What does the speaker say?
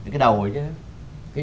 cái đầu ấy chứ